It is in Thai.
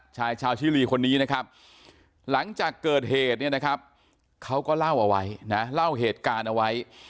ชายชาวชิลีคนนี้นะครับหลังจากเกิดเหตุเนี่ยนะครับเขาก็เล่าเอาไว้นะเล่าเหตุการณ์เอาไว้